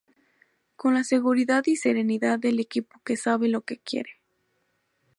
Con la seguridad y serenidad del equipo que sabe lo que quiere.